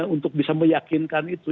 untuk bisa meyakinkan itu